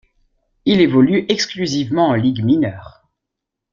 Il évolue exclusivement en Ligues mineures.